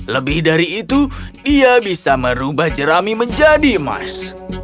lebih dari itu dia bisa merubah jerami menjadi emas